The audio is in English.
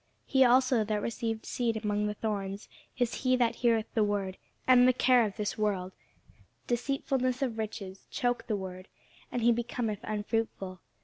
He also that received seed among the thorns is he that heareth the word; and the care of this world, and the deceitfulness of riches, choke the word, and he becometh unfruitful.